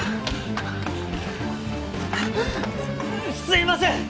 すいません！